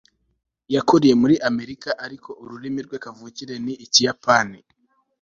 yakuriye muri amerika, ariko ururimi rwe kavukire ni ikiyapani